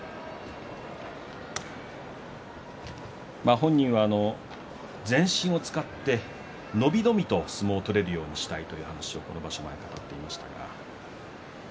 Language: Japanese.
本人は全身を使って伸び伸びと相撲を取れるようにしたいということを話しています。